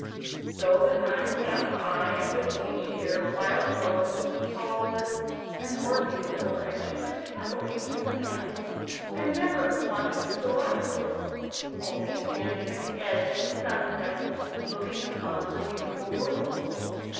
So the time passed by, and with each year Wildrose grew taller and more beautiful, and she lived happily in her nest and never wanted to go out of it, only standing at the edge in the sunset, and looking upon the beautiful world.